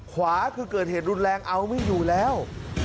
ขวาคือเกิดเหตุรุนแรงเอาไม่อยู่แล้ว